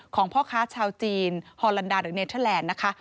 พ่อค้าชาวจีนฮอลันดาหรือเนเทอร์แลนด์นะคะ